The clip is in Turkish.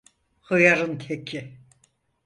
Hıyarın teki.